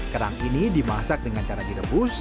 kerang ini dimasak dengan cara direbus